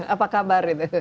apa kabar itu